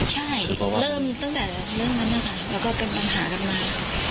ใช่เริ่มตั้งแต่เรื่องนั้นนะคะแล้วก็เป็นปัญหากันมา